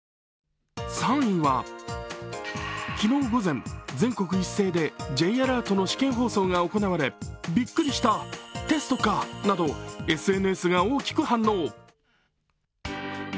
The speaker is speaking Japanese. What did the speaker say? ３位は昨日午前、全国一斉でＪアラートの試験放送が行われびっくりした、テストかなどＳＮＳが大きく反応。